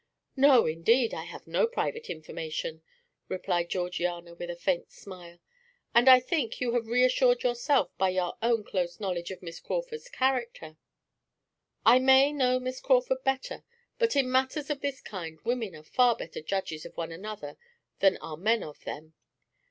"No, indeed, I have no private information," replied Georgiana with a faint smile, "and I think you have reassured yourself by your own close knowledge of Miss Crawford's character." "I may know Miss Crawford better, but in matters of this kind women are far better judges of one another than are men of them.